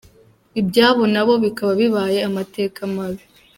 Ibyabo nabo bikaba bibaye amateka mabi!